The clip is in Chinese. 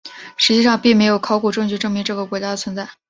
实际上并没有考古证据证明这个国家的存在。